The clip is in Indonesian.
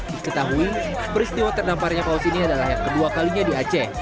diketahui peristiwa terdamparnya paus ini adalah yang kedua kalinya di aceh